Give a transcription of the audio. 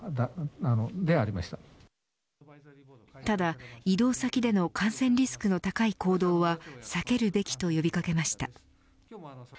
ただ移動先での感染リスクの高い行動は避けるべきと呼び掛けました。